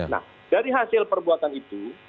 nah dari hasil perbuatan itu